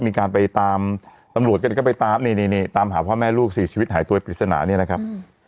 มีการไปตามตำรวจก็ไปตามนี่ตามหาพ่อแม่ลูกสี่ชีวิตหายตัวไปปริศนาเนี่ยนะครับ